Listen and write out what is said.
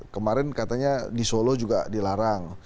kemarin katanya di solo juga dilarang